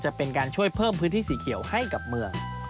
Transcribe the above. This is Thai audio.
จะเป็นการช่วยเพิ่มพื้นที่สีเขียวให้กับเมือง